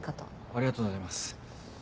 ありがとうございます。